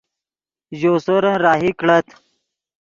ژؤ سورن راہی کڑت